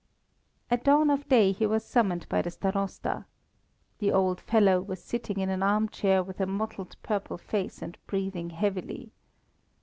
At dawn of day he was summoned by the Starosta. The old fellow was sitting in an armchair with a mottled purple face and breathing heavily.